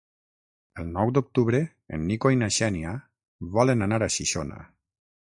El nou d'octubre en Nico i na Xènia volen anar a Xixona.